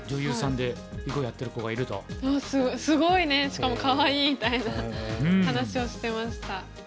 「もうすごいねしかもかわいい！」みたいな話をしてました。